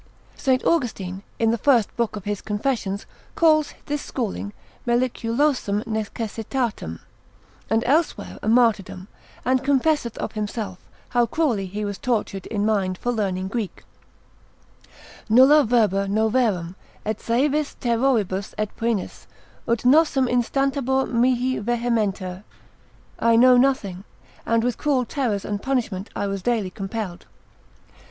St. Austin, in the first book of his confess. et 4 ca. calls this schooling meliculosam necessitatem, and elsewhere a martyrdom, and confesseth of himself, how cruelly he was tortured in mind for learning Greek, nulla verba noveram, et saevis terroribus et poenis, ut nossem, instabatur mihi vehementer, I know nothing, and with cruel terrors and punishment I was daily compelled.